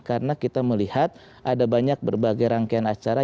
karena kita melihat ada banyak berbagai rangkaian acara